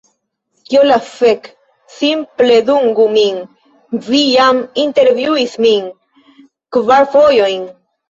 Kio la fek?! Simple dungu min, vi jam intervjuis min kvar fojojn!